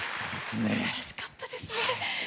すばらしかったですね。